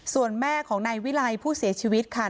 ส่วนแม่ของนายวิลัยผู้เสียชีวิตค่ะ